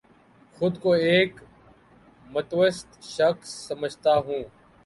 خود کو ایک متوسط شخص سمجھتا ہوں